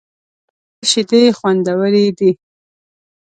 د غوا شیدې خوندورې دي.